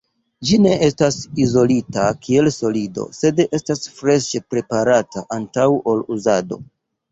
Ĝi ne estas izolita kiel solido, sed estas freŝe preparata antaŭ ol uzado.